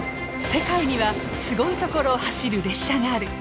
世界にはすごい所を走る列車がある。